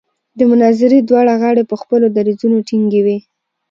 د مناظرې دواړه غاړې په خپلو دریځونو ټینګې وې.